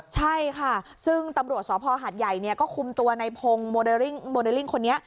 ใช่ค่ะซึ่งตำรวจสภหาดใหญ่ก็คุมตัวในพงศ์โมเดลลิ่งคนนี้